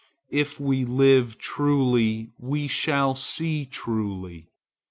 If we live truly, we shall see truly.